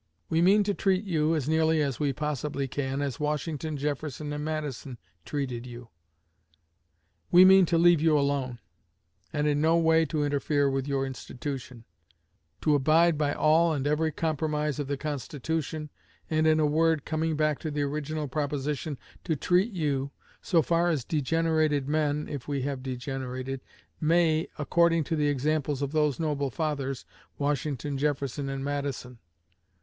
We mean to treat you, as nearly as we possibly can, as Washington, Jefferson, and Madison treated you. We mean to leave you alone, and in no way to interfere with your institution; to abide by all and every compromise of the Constitution, and, in a word, coming back to the original proposition, to treat you, so far as degenerated men (if we have degenerated) may, according to the examples of those noble fathers Washington, Jefferson and Madison.